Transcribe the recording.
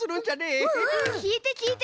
きいてきいて！